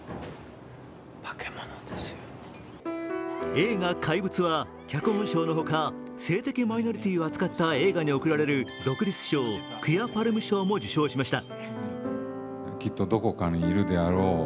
映画「怪物」は脚本賞のほか、性的マイノリティーを扱った映画に贈られる独立賞クィア・パルム賞も受賞しました。